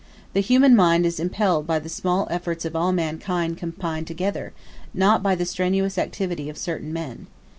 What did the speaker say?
The human mind is impelled by the small efforts of all mankind combined together, not by the strenuous activity of certain men.